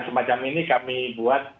semacam ini kami buat